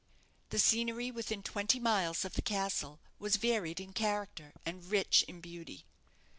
The scenery within twenty miles of the castle was varied in character and rich in beauty.